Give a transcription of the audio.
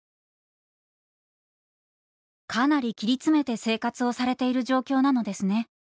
「かなり切り詰めて生活をされている状況なのですね。